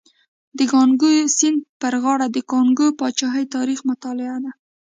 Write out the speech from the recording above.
د کانګو سیند پر غاړه د کانګو پاچاهۍ تاریخ مطالعه ده.